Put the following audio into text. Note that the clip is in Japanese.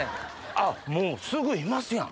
あっもうすぐいますやん。